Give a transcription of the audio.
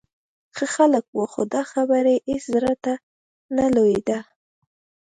ښه خلک و، خو دا خبره یې هېڅ زړه ته نه لوېده.